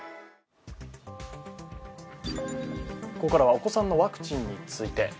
ここからはお子さんのワクチンについて。